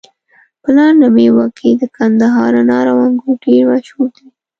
په لنده ميوه کي د کندهار انار او انګور ډير مشهور دي